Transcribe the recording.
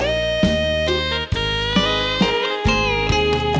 เวลาแล้วไหนกล้างเลย